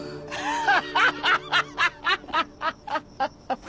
ハハハハハ！